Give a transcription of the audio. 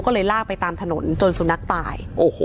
ก็เลยลากไปตามถนนจนสุนัขตาย